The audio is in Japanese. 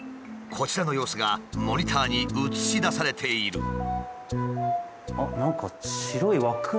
こちらの様子がモニターに映し出されている。